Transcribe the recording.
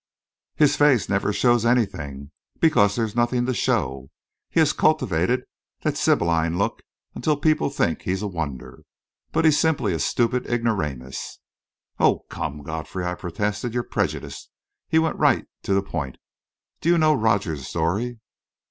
"His face never shows anything, because there's nothing to show. He has cultivated that sibylline look until people think he's a wonder. But he's simply a stupid ignoramus." "Oh, come, Godfrey," I protested, "you're prejudiced. He went right to the point. Do you know Rogers's story?"